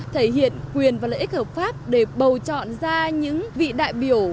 thể hiện quyền và lợi ích hợp pháp để bầu chọn ra những vị đại biểu